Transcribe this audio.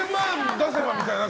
出せばみたいな。